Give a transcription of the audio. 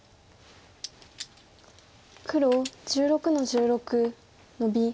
黒１６の十六ノビ。